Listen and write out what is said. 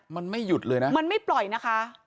มันไม่หยุดเลยนะมันไม่ปล่อยนะคะ